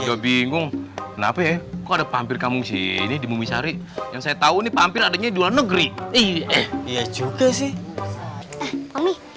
cuma ada pampir kamu sini di mumi sari yang saya tahu nih pampir adanya dua negeri iya juga sih